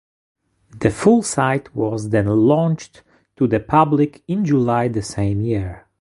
The full site was then launched to the public in July the same year.